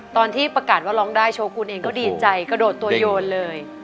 ตอนที่ประกาศว่าร้องได้โชกุลเองก็ดีใจกระโดดตัวโยนเลย